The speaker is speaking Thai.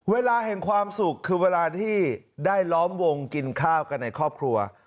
เวลาแห่งความสุขคือเวลาที่ได้ล้อมวงกินข้าวกันในครอบครัว